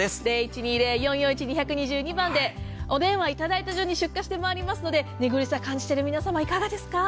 お電話いただいた順に出荷してまいりますので、寝苦しさ感じている皆様、いかがですか？